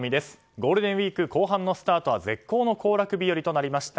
ゴールデンウィーク後半のスタートは絶好の行楽日和となりました。